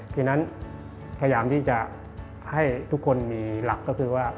พยายามที่จะให้ทุกคนมีหลักก็คือว่า